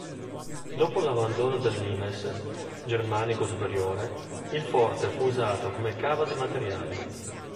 Dopo l'abbandono del Limes germanico superiore, il forte fu usato come cava di materiali.